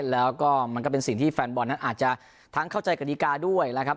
แล้วก็มันก็เป็นสิ่งที่แฟนบอลนั้นอาจจะทั้งเข้าใจกฎิกาด้วยนะครับ